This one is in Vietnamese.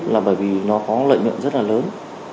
là bởi vì nó có lợi nhuận rất là lớn